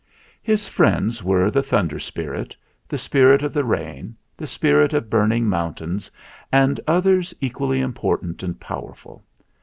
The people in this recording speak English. His friends were the Thunder Spirit, the Spirit of the Rain, the Spirit of Burning Mountains, and others equally important and powerful.